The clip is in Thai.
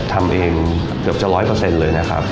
ทำเองเกือบจะร้อยเปอร์เซ็นต์เลยนะครับ